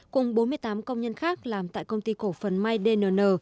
cùng bốn mươi tám công nhân khác làm tại công ty cổ phần mydnn